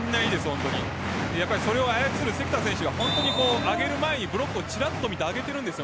それを操る関田選手が上げる前にブロックをチラッと見て上げているんです。